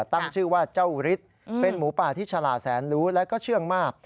ตั้งชื่อว่าเจ้าฤทธิ์เป็นหมูป่าที่ฉลาดแสนรู้และก็เชื่องมาก